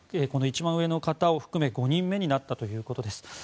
この方を含め５人目になったということです。